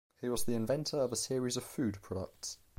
He was the inventor of a series of food products.